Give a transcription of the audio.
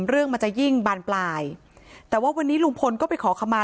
เรื่องมันจะยิ่งบานปลายแต่ว่าวันนี้ลุงพลก็ไปขอขมา